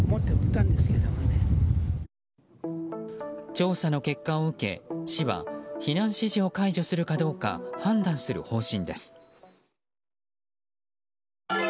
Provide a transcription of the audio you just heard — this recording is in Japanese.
調査の結果を受け、市は避難指示を解除するかどうか判断する方針です。